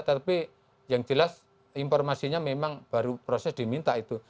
tapi yang jelas informasinya memang baru proses diminta itu